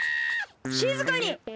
しずかに！